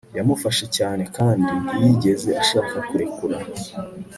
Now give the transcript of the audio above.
Yamufashe cyane kandi ntiyigeze ashaka kurekura